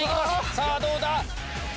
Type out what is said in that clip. さあどうだ？